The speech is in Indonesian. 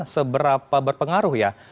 seberapa berpengaruh ya